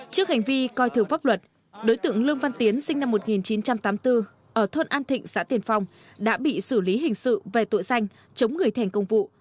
trước hành vi coi thường pháp luật đối tượng lương văn tiến sinh năm một nghìn chín trăm tám mươi bốn ở thôn an thịnh xã tiền phong đã bị xử lý hình sự về tội danh chống người thi hành công vụ